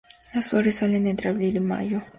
Las flores salen entre abril y mayo.